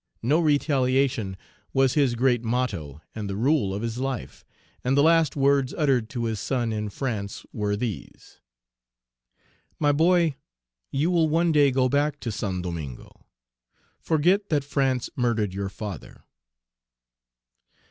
"No retaliation" was his great motto and the rule of his life; and the last words uttered to his son in France were these: "My boy, you will one day go back to St. Domingo; forget that France murdered your father."